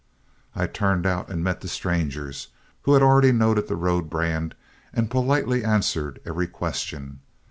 I turned out and met the strangers, who had already noted the road brand, and politely answered every question.